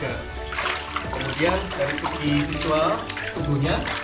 kemudian dari segi visual tubuhnya